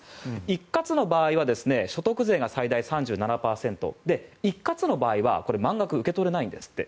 一括の場合は所得税が最大３７％一括の場合は満額受け取れないんですって。